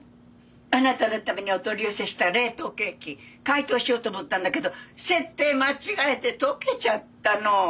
あなたのためにお取り寄せした冷凍ケーキ解凍しようと思ったんだけど設定間違えて溶けちゃったの。